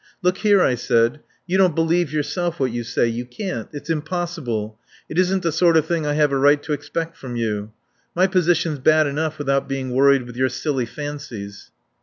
"Look here," I said. "You don't believe yourself what you say. You can't. It's impossible. It isn't the sort of thing I have a right to expect from you. My position's bad enough without being worried with your silly fancies."